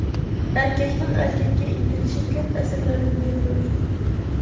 ئەركەكنىڭ ئەركەككە ئىنتىلىشى كۆپ ئەسىرلەردىن بېرى مەۋجۇت.